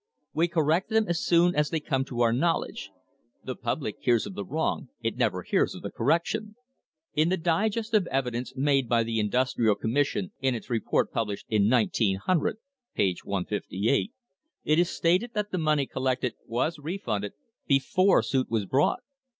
We correct them as soon as they come to our knowledge. The public hears of the wrong it never hears of the correction." In the Digest of Evidence made by the Industrial Commis sion in its report published in 1900 (page 158), it is stated that the money collected was refunded before suit was brought.